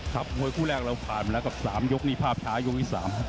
ครับคู่แรกเราผ่านไปแล้วกับ๓ยกนี้ภาพช้ายกอีก๓